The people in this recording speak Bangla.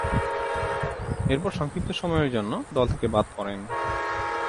এরপর সংক্ষিপ্ত সময়ের জন্য দল থেকে বাদ পড়েন।